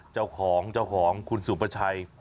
เจ้าของคุณสุปไพร